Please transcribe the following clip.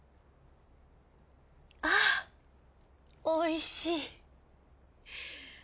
あおいしい。